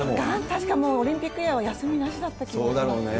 しかもオリンピックイヤーは休みなしだった気がします。